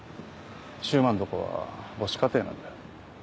柊磨んとこは母子家庭なんだよ。